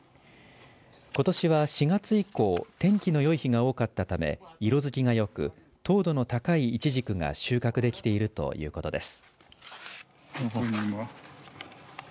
ことしは４月以降天気のよい日が多かったため色づきがよく糖度の高いいちじくが収穫できているということです。